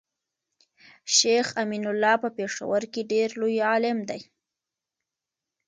شيخ امين الله په پيښور کي ډير لوي عالم دی